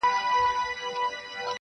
تاريخ يې ساتي په حافظه کي,